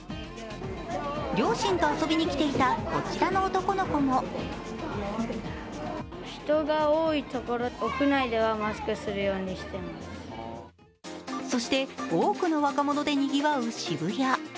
両親と遊びに来ていたこちらの男の子もそして、多くの若者でにぎわう渋谷。